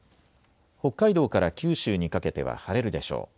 北海道から九州にかけては晴れるでしょう。